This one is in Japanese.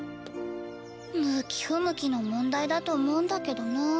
向き不向きの問題だと思うんだけどなぁ。